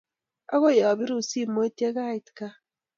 Akoi apirun simoit ye ait kaa.